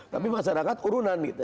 tapi masyarakat urunan gitu